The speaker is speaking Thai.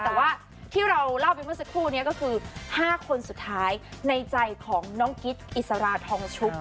แต่ถ้าที่เราเล่าไปเพิ่มกันทั้งเมื่อกี้แค่วันนี้ก็คือ๕คนสุดท้ายในใจของน้องกิตอิสระทองชุบ